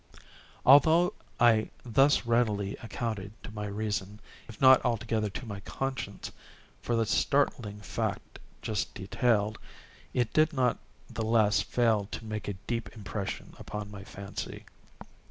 Although I thus readily accounted to my reason, if not altogether to my conscience, for the startling fact just detailed, it did not the less fail to make a deep impression upon my fancy.